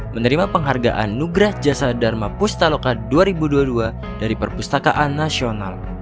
menerima penghargaan nugrah jasa dharma pustaloka dua ribu dua puluh dua dari perpustakaan nasional